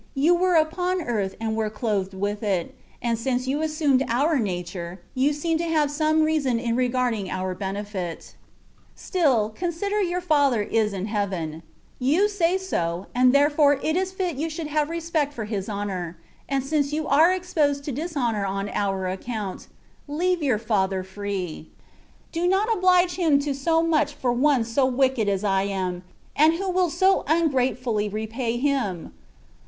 You were upon earth and were clothed with it; and since You assumed our nature. You seem to have some reason in regard THE WAY OF PERFECTION. 131 ing our benefit) — still, consider Your Father is in heaven: you say so, and therefore it is fit you should have respect for His honour, and since you are exposed to dishonour on our account, leave your Father free ; do not oblige Him to so much for one so wicked as I am, and who will so ungratefully repay Him.